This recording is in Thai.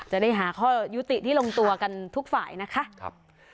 จะได้หาข้อยุติที่ลงตัวกันทุกฝ่ายนะคะ